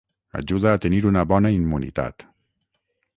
ajuda a tenir una bona immunitat